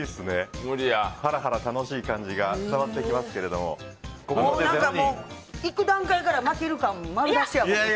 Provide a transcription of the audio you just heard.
ハラハラ楽しい感じが伝わってきますけども行く段階から負ける感丸出しやもん。